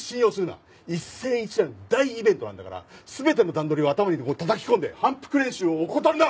一世一代の大イベントなんだから全ての段取りを頭にたたき込んで反復練習を怠るな！